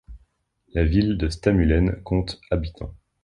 La ville de Stamullen compte habitants.